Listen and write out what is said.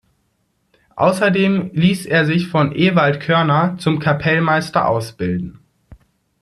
Ausserdem liess er sich von Ewald Körner zum Kapellmeister ausbilden.